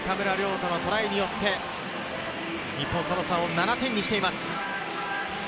土のトライによって、日本、その差を７点にしています。